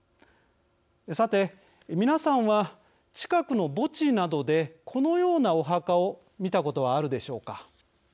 さて、皆さんは近くの墓地などでこのようなお墓を見たことはあるでしょうか。